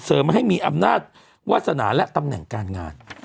ให้มีอำนาจวาสนาและตำแหน่งการงาน